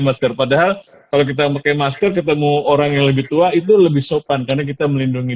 masker padahal kalau kita pakai masker ketemu orang yang lebih tua itu lebih sopan karena kita melindungi